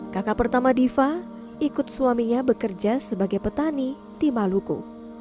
kakak pertama diva ikut suaminya bekerja sebagai petani di maluku